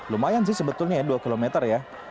lumayan sih sebetulnya ya dua kilometer ya